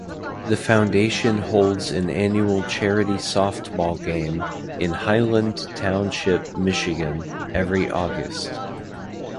The foundation holds an annual charity softball game in Highland Township Michigan every August.